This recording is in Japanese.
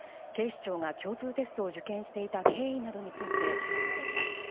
警視庁が共通テストを受験した経緯などについて調べています。